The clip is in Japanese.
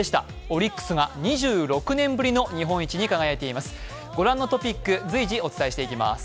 オリックスが２６年ぶりの日本一に輝いています。